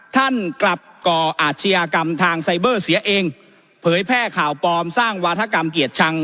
ท่านกลับก่ออาชญากรรมทางไซเบอร์เสียเองเผยแพร่ข่าวปลอมสร้างวาธกรรมเกียรติชัง